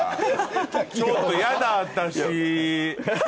ちょっとやだ私。